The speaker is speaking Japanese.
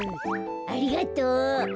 ありがとう。